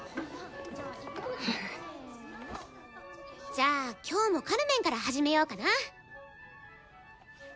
じゃあ今日も「カルメン」から始めようかな。